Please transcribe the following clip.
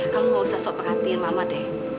kamu gak usah sok perhatiin mama deh